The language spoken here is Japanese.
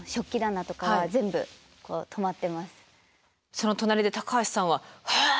その隣で高橋さんは「へえ」